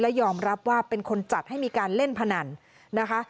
ยอมรับว่าเป็นคนจัดให้มีการเล่นพนันนะคะ